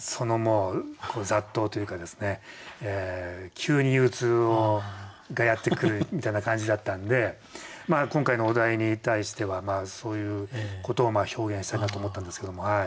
急に憂鬱がやって来るみたいな感じだったんで今回のお題に対してはそういうことを表現したいなと思ったんですけども。